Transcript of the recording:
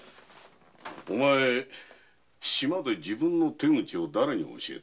お前島で自分の手口をだれに教えた？